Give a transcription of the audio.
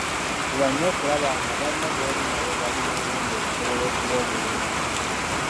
Fuba nnyo okulaba nga banno booli nabo bali bulungi okusobola okuba obulungi.